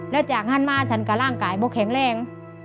แล้วจากท่านมาสันการร่างกายไม่แข็งแรง